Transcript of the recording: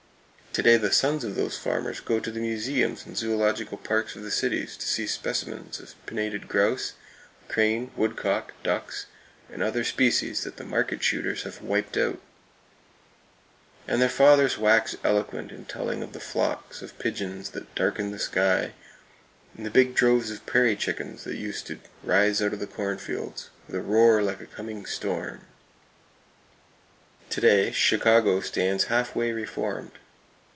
To day the sons of those farmers go to the museums and zoological parks of the cities to see specimens of pinnated grouse, crane, woodcock, ducks and other species that the market shooters have "wiped out"; and their fathers wax eloquent in telling of the flocks of [Page 280] pigeons that "darkened the sky," and the big droves of prairie chickens that used to rise out of the corn fields "with a roar like a coming storm." To day, Chicago stands half way reformed.